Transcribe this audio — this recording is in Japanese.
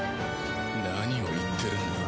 何を言ってるんだ？